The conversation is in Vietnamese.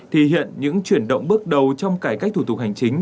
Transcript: thì hiện những chuyển động bước đầu trong cải cách thủ tục hành chính